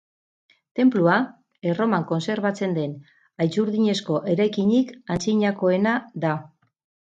Tenplua, Erroman kontserbatzen den haitzurdinezko eraikinik antzinakoena da.